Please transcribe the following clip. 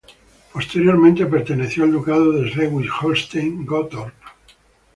Posteriormente perteneció al ducado de Schleswig-Holstein-Gottorp.